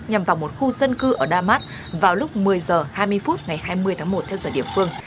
nhằm vào một khu dân cư ở damas vào lúc một mươi h hai mươi phút ngày hai mươi tháng một theo giờ địa phương